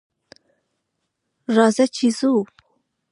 راځه چې ځو